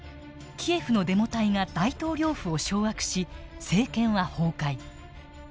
キエフのデモ隊が大統領府を掌握し政権は崩壊。